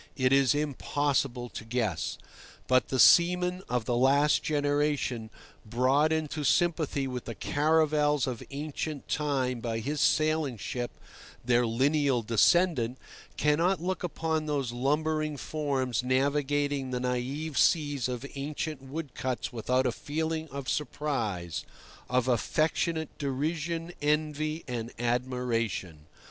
It is impossible to guess. But the seaman of the last generation, brought into sympathy with the caravels of ancient time by his sailing ship, their lineal descendant, cannot look upon those lumbering forms navigating the naïve seas of ancient woodcuts without a feeling of surprise, of affectionate derision, envy, and admiration.